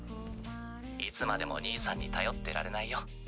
いつまでも兄さんに頼ってられないよ。